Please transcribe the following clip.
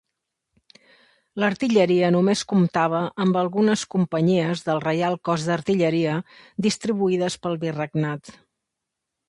L'artilleria només comptava amb algunes companyies del Reial Cos d'Artilleria distribuïdes pel virregnat.